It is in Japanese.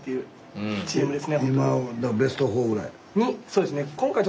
そうですね。